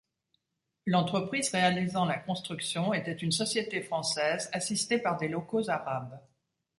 L'entreprise réalisant la construction était une société française, assistée par des locaux arabes.